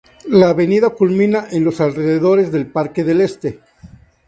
La avenida culmina en los alrededores del Parque del Este.